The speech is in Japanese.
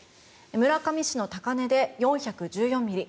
村上市の高根で４１４ミリ